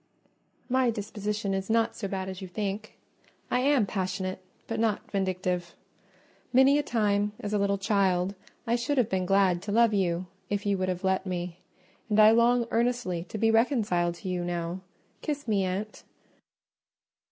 "My disposition is not so bad as you think: I am passionate, but not vindictive. Many a time, as a little child, I should have been glad to love you if you would have let me; and I long earnestly to be reconciled to you now: kiss me, aunt."